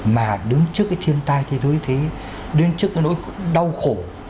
mà đứng trước cái thiên tai thế giới như thế đứng trước cái nỗi đau khổ